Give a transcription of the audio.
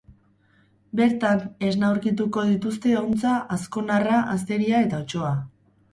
Bertan, esna aurkituko dituzte ontza, azkonarra, azeria eta otsoa.